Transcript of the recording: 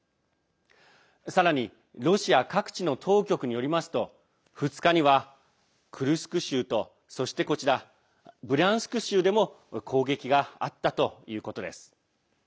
さらに、ロシア各地の当局によりますと、２日にはクルスク州とそしてブリャンスク州でも攻撃があったということです。